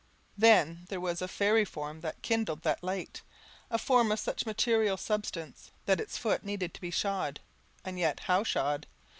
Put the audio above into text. Then there was a fairy form that kindled that light, a form of such material substance, that its foot needed to be shod; and yet how shod?